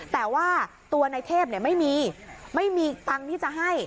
แต่ว่าตัวนายเทพไม่มีไม่มีตังค์ที่จะให้